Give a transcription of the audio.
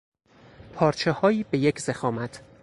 پارچههایی به یک ضخامت